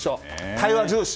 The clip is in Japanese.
対話重視！